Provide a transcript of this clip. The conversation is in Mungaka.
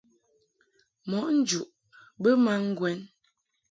Mɔʼ njuʼ bə ma ŋgwɛn.